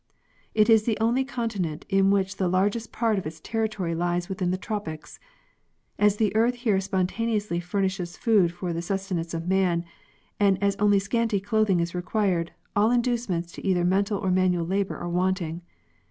It is the only conti nent in which the largest part of its territory lies within the tropics. As the éarth here spontaneously furnishes food for the sustenance of man, and as only scanty clothing is required, all inducements to either mental or manual labor are wanting.